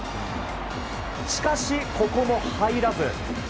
しかし、ここも入らず。